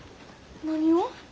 何を？